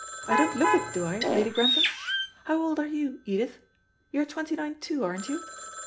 I don't look it, do I, Lady Grantham? How old are you, Edith? You're twenty nine too, aren't you?